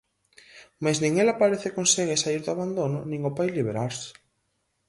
Mais nin ela parece consegue saír do abandono, nin o pai liberarse.